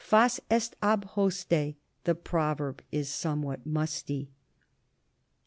Fas est ab hoste the proverb is somewhat musty.